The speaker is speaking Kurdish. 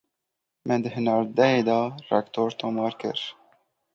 Me di hinardeyê de rekor tomar kir.